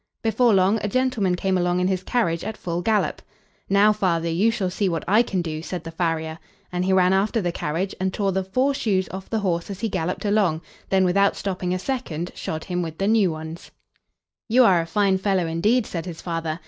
Before long a gentleman came along in his carriage at full gallop. "Now, father, you shall see what I can do," said the farrier and he ran after the carriage and tore the four shoes off the horse as he galloped along, then, without stopping a second, shod him with new ones. "You are a fine fellow, indeed," said his father.